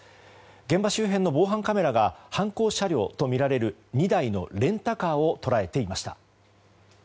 現場周辺の防犯カメラが犯行車両とみられる２台のレンタカーを捉えていました。